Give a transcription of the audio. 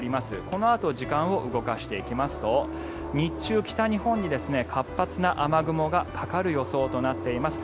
このあと時間を動かしていきますと日中、北日本に活発な雨雲がかかる予想となっています。